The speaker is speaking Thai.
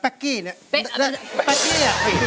เป๊กกี้ล่ะอ่ะฝิงถึงไม่ได้